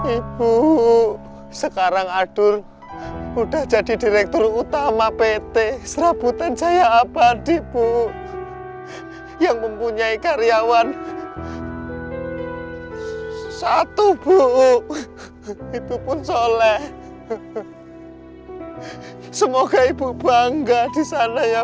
ibu sekarang adul udah jadi direktur utama pt serabuten jaya abadi ibu yang mempunyai karyawan satu bu itu pun soleh semoga ibu bangga di sana ya bu